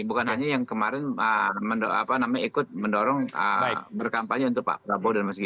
bukan hanya yang kemarin ikut mendorong berkampanye untuk pak prabowo dan mas gibran